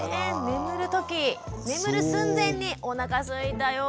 眠る寸前に「おなかすいたよ」。